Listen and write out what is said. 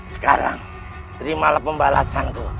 sekarang terimalah pembalasanku